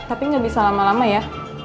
tapi nggak bisa lama lama ya